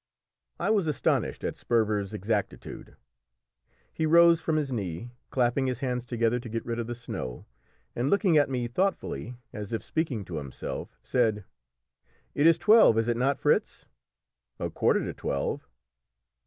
I was astonished at Sperver's exactitude. He rose from his knee, clapping his hands together to get rid of the snow, and looking at me thoughtfully, as if speaking to himself, said "It is twelve, is it not, Fritz?" "A quarter to twelve."